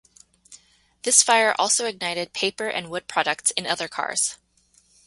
This fire also ignited paper and wood products in other cars.